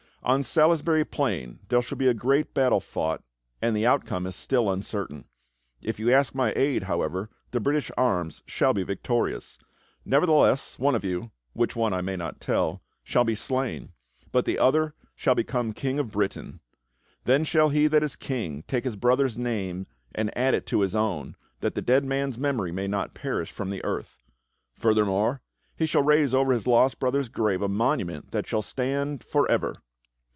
"On Salis bury Plain there shall be a great battle fought, and the outcome is still uncertain. If you ask my aid, however, the British arms shall be victorious. Nevertheless, one of you, which one I may not tell, shall be slain, but the other shall become King of Britain. Then shall he that is King take his brother's name and add it to his own, that the dead man's memory may not perish from the earth. Further more, he shall raise over his lost brother's grave a monument that shall stand forever.